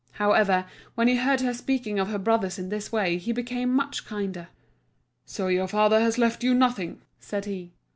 However, when he heard her speaking of her brothers in this way he became much kinder. "So your father has left you nothing," said he.